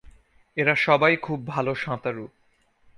এরা সবাই খুব ভাল সাঁতারু।